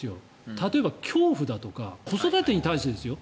例えば恐怖だとか子育てに対してですよ。